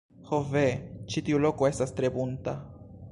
Ho ve! ĉi tiu loko estas tre bunta!